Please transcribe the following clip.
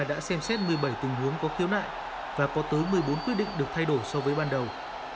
đã xem xét một mươi bảy tình huống có khiếu nại và có tới một mươi bốn quyết định được thay đổi so với ban đầu